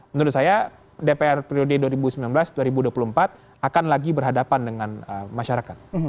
menurut saya dpr periode dua ribu sembilan belas dua ribu dua puluh empat akan lagi berhadapan dengan masyarakat